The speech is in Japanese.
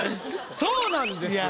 そうなんですよ。